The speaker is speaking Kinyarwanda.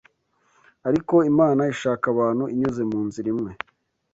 ariko Imana ishaka abantu inyuze mu nzira imwe